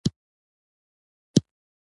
پيژو د خلکو په ذهن کې د باور نښه ده.